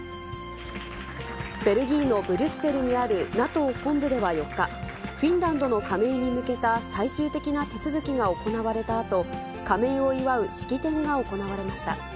ベルギーのブリュッセルにあるＮＡＴＯ本部では４日、フィンランドの加盟に向けた最終的な手続きが行われたあと、加盟を祝う式典が行われました。